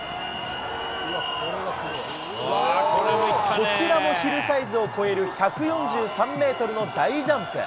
こちらもヒルサイズを越える１４３メートルの大ジャンプ。